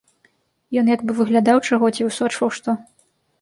Ён як бы выглядаў чаго ці высочваў што.